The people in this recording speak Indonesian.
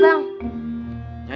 bang berhenti bang